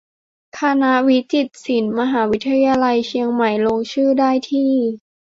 คณะวิจิตรศิลป์ มหาวิทยาลัยเชียงใหม่ ลงชื่อได้ที่